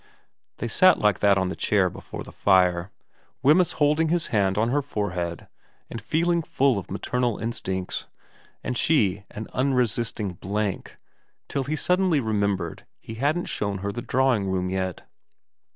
... They sat like that in the chair before the fire, Wemyss holding his hand on her forehead and feeling full of 272 xiv VERA 273 maternal instincts, and she an unresisting blank, till he suddenly remembered he hadn't shown her the drawing room yet.